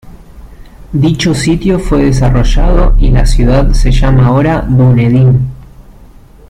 Dicho sitio fue desarrollado y la ciudad se llama ahora Dunedin.